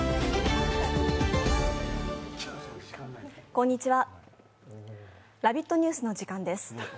こんにちは、「ラヴィット！ニュース」の時間です。